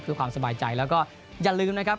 เพื่อความสบายใจแล้วก็อย่าลืมนะครับ